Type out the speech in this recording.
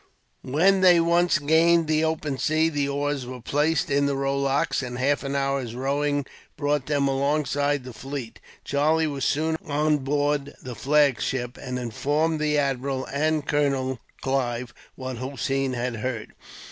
When they once gained the open sea, the oars were placed in the rowlocks, and half an hour's rowing brought them alongside the fleet. Charlie was soon on board the flagship, and informed the admiral, and Colonel Clive, what Hossein had heard.